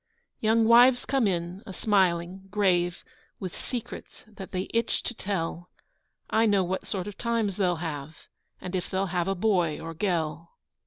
Young wives come in, a smiling, grave, With secrets that they itch to tell: I know what sort of times they'll have, And if they'll have a boy or gell.